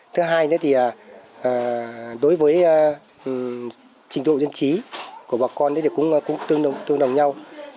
thứ hai đối với trình độ dân trí của bà con cũng tương đồng nhau